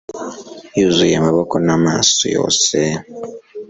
yuzuye amaboko n'amaso yose